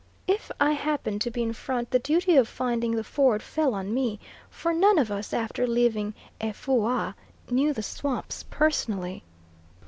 If I happened to be in front, the duty of finding the ford fell on me; for none of us after leaving Efoua knew the swamps personally.